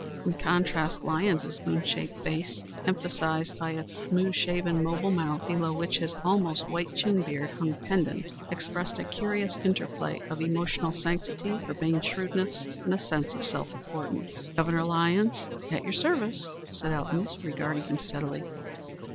In contrast Lyons's moon shaped face, emphasized by its smooth shaven mobile mouth, below which his almost white chin beard hung pendent, expressed a curious interplay of emotional sanctity, urbane shrewdness, and solemn self importance. "Governor Lyons, at your service," said Elton, regarding him steadily.